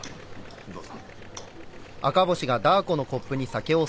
どうぞ。